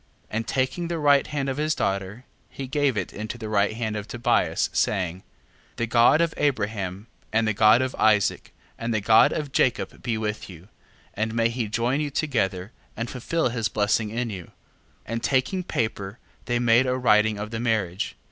7:15. And taking the right hand of his daughter, he gave it into the right hand of Tobias, saying: The God of Abraham, and the God of Isaac, and the God of Jacob be with you, and may he join you together, and fulfil his blessing in you. 7:16. And taking paper they made a writing of the marriage.